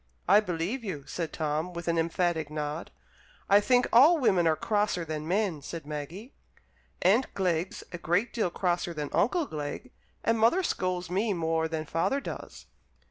"I believe you!" said Tom, with an emphatic nod. "I think all women are crosser than men," said Maggie. "Aunt Glegg's a great deal crosser than Uncle Glegg, and mother scolds me more than father does."